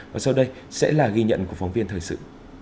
và sau đây sẽ là ghi nhận của phóng viên thời sự